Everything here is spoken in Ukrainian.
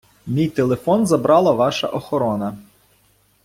Мій телефон забрала ваша охорона.